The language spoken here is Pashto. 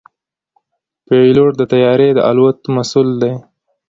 پيلوټ د طیارې د الوت مسؤل دی.